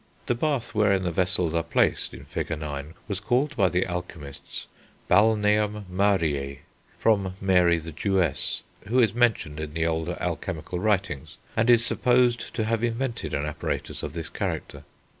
The bath wherein the vessels are placed in Fig. IX. was called by the alchemists balneum Mariae, from Mary the Jewess, who is mentioned in the older alchemical writings, and is supposed to have invented an apparatus of this character.